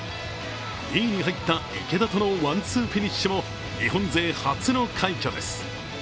２位に入った池田とのワン・ツーフィニッシュも日本勢初の快挙です。